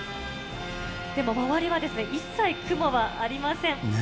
でも、周りは一切雲はありません。